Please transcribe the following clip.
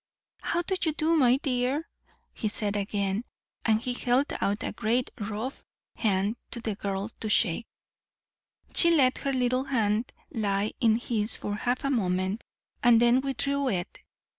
"How do you do, my dear?" he said again; and he held out a great rough hand for the girl to shake. She let her little hand lie in his for half a moment, and then withdrew it.